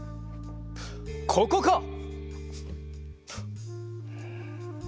ここか！